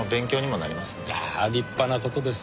ああ立派な事です。